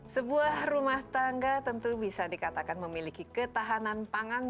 sebuah rumah tangga tentu bisa dikatakan memiliki ketahanan pangan